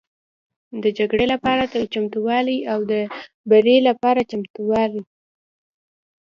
د جګړې لپاره چمتووالی او د بري لپاره چمتووالی